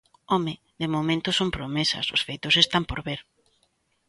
¡Home! de momento son promesas, os feitos están por ver.